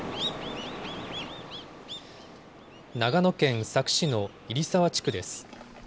長野県佐久市の入澤地区です。